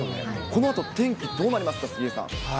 このあと、天気どうなりますか、杉江さん。